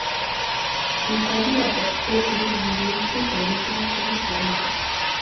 Il s'agit d'apporter l'Évangile, tout en luttant contre la misère.